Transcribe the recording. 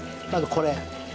これ。